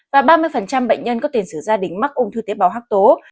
và ba mươi bệnh nhân có tiền sử gia đình mắc ung thư tế bào hắc tố